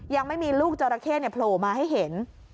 ยังไม่มีลูกจราเข้โผล่มาให้เห็น